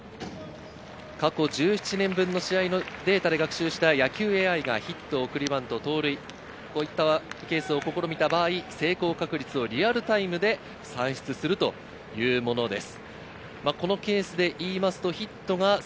過去１７年分の試合のデータで学習した野球ＡＩがヒット、送りバント、盗塁、こういったケースを試みた場合、成功確率をリアルタイムで算出するというものです。